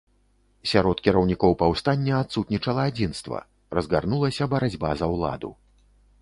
Сярод кіраўнікоў паўстання адсутнічала адзінства, разгарнулася барацьба за ўладу.